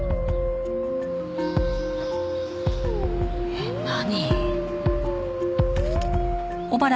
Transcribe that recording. えっ？何？